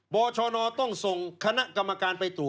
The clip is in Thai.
บชนต้องส่งคณะกรรมการไปตรวจ